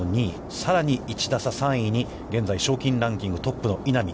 さらに１打差３位に現在、賞金ランキングトップの稲見。